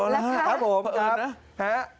แล้วคะ